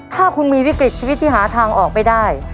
ถ้าคุณมีวิกฤตชีวิตที่หาทางออกไม่ได้